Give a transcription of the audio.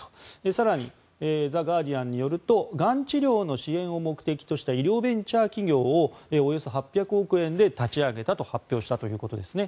更に、ザ・ガーディアンによるとがん治療の支援を目的とした医療ベンチャー企業をおよそ８００億円で立ち上げたと発表したということです。